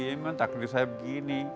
ya memang takdir saya begini